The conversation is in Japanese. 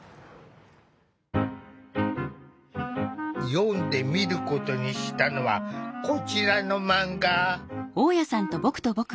読んでみることにしたのはこちらのマンガ。